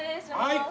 はい！